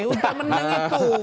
udah menang itu